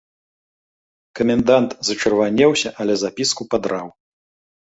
Камендант зачырванеўся, але запіску падраў.